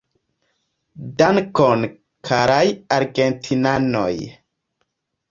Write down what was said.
Dankon, karaj argentinanoj.